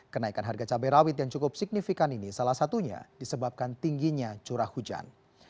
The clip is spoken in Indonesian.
kenaikan harga cabai rawit yang cukup signifikan ini salah satunya disebabkan tingginya curah hujan